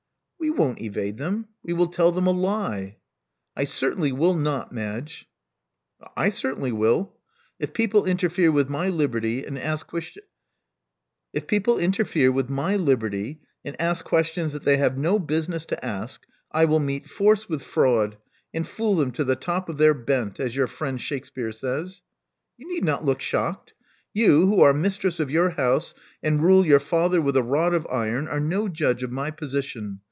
We won't evade them. We will tell them a lie." "I certainly will not, Madge." I certainly will. If people interfere with my liberty, and ask questions that they have no business to ask, I will meet force with fraud, and fool them to the top of their bent, as your friend Shakspere says. You need not look shocked. You, who are mistress of your house, and rule your father with a rod of iron, are no judge of my position.